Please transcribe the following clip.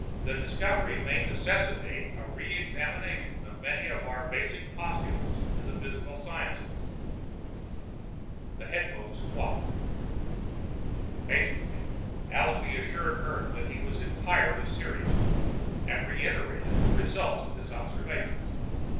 "The discovery may necessitate a re examination of many of our basic postulates in the physical sciences." The headphones squawked. Patiently, Allenby assured Earth that he was entirely serious, and reiterated the results of his observations.